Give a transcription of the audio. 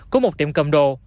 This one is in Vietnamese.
của một tiệm cầm đồ